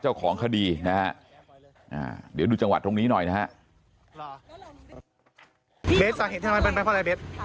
เจ้าของคดีนะครับเดี๋ยวดูจังหวัดตรงนี้หน่อยนะครับ